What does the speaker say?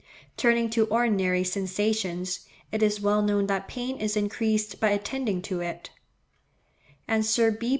Turning to ordinary sensations, it is well known that pain is increased by attending to it; and Sir B.